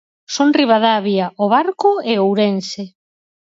Son Ribadavia, O Barco e Ourense.